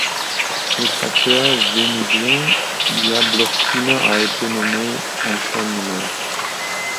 Le cratère vénusien Yablochkina a été nommé en son honneur.